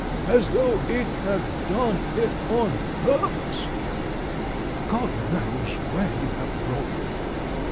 As though I had done it on purpose!" "God knows where you have brought me.